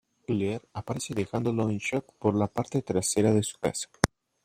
Claire aparece dejándolo en shock por la parte trasera de su casa.